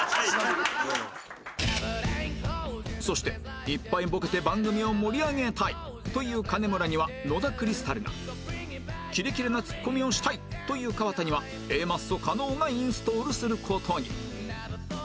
そして「いっぱいボケて番組を盛り上げたい」という金村には野田クリスタルが「キレキレなツッコミをしたい」という河田には Ａ マッソ加納がインストールする事に